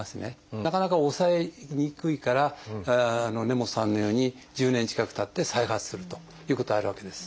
なかなか抑えにくいから根本さんのように１０年近くたって再発するということがあるわけです。